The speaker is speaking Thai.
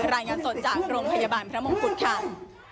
รายงานสดจากโรงพยาบาลพระมงกุฎค่ะ